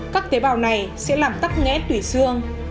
các tế bào này sẽ làm tắt nghẽn tủy xương